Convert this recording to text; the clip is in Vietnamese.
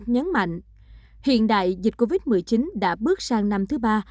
nhấn mạnh hiện đại dịch covid một mươi chín đã bước sang năm thứ ba